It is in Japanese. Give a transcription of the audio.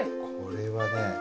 これはね。